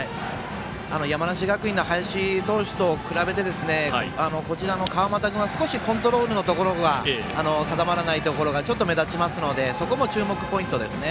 山梨学院の林投手と比べてこちらの川又君は少しコントロールのところが定まらないところがちょっと目立ちますのでそこも注目ポイントですね。